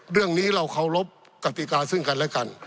เรื่องนี้เราเคารพกติกาซึ่งกันและกัน